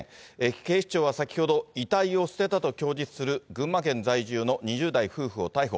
警視庁は先ほど、遺体を捨てたと供述する群馬県在住の２０代夫婦を逮捕。